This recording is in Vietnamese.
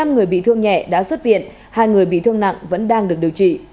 năm người bị thương nhẹ đã xuất viện hai người bị thương nặng vẫn đang được điều trị